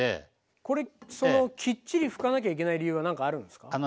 これきっちり拭かなきゃいけない理由はなんかあるんですか？